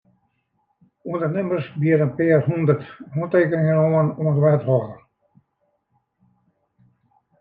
Undernimmers biede in pear hûndert hantekeningen oan oan de wethâlder.